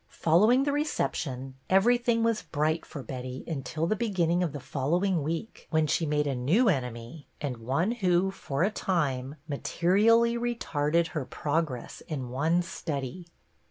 Following the reception, everything was bright for Betty until the beginning of the following week, when she made a new enemy, and one who, for a time, materially retarded her progress in one study.